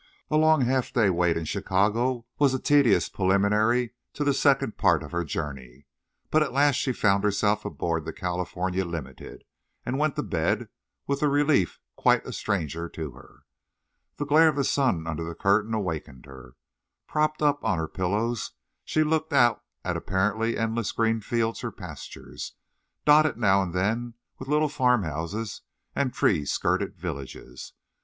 A long half day wait in Chicago was a tedious preliminary to the second part of her journey. But at last she found herself aboard the California Limited, and went to bed with a relief quite a stranger to her. The glare of the sun under the curtain awakened her. Propped up on her pillows, she looked out at apparently endless green fields or pastures, dotted now and then with little farmhouses and tree skirted villages.